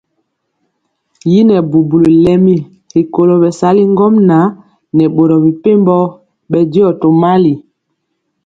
Yi nɛ bubuli lemi rikolo bɛsali ŋgomnaŋ nɛ boro mepempɔ bɛndiɔ tomali.